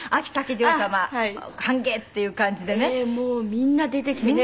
みんな出てきてね